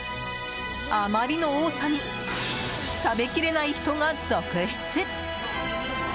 あまりの多さに食べきれない人が続出。